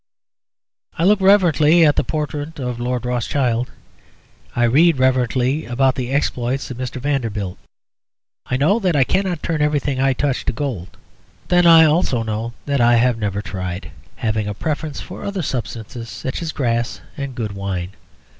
I look reverently at the portrait of Lord Rothschild; I read reverently about the exploits of Mr. Vanderbilt. I know that I cannot turn everything I touch to gold; but then I also know that I have never tried, having a preference for other substances, such as grass, and good wine.